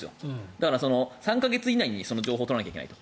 だから、３か月以内にその情報を取らなきゃいけないと。